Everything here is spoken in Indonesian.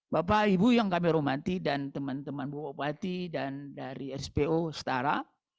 bapak ibu yang kami hormati dan teman teman bupati dan dari spo setara